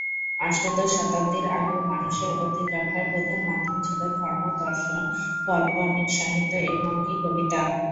অষ্টাদশ শতাব্দীর আগেও মানুষের অতীত রক্ষার প্রধান মাধ্যম ছিল ধর্ম, দর্শন, কাল্পনিক সাহিত্য এবং এমনকি কবিতা।